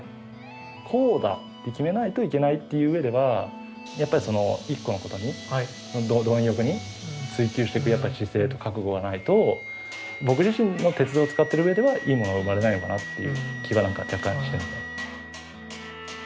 こうだって決めないといけないっていう上ではやっぱり一個のことに貪欲に追求していくやっぱり姿勢と覚悟がないと僕自身の鉄を使ってる上ではいいものは生まれないのかなっていう気は若干してます。